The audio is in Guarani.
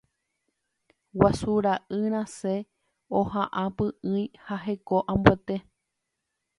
Guasu ra'y rasẽ oha'ã py'ỹi ha heko ambuete.